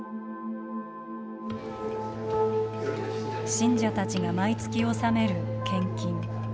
信者たちが毎月納める献金。